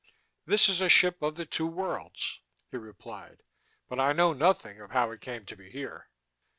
"This is a ship of the Two Worlds," he replied. "But I know nothing of how it came to be here."